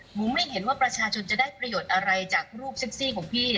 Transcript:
หนูไม่เห็นว่าประชาชนจะได้ประโยชน์อะไรจากรูปเซ็กซี่ของพี่